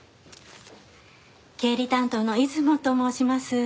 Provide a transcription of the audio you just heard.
経理担当の出雲と申します。